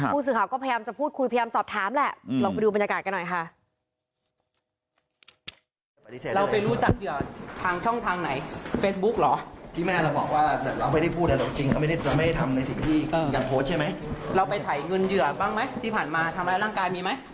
ผู้สื่อข่าวก็พยายามจะพูดคุยพยายามสอบถามแหละลองไปดูบรรยากาศกันหน่อยค่ะ